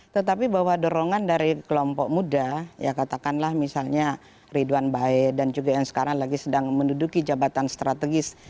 tetapi bahwa dorongan dari kelompok muda ya katakanlah misalnya ridwan baik dan juga yang sekarang lagi sedang menduduki jabatan strategis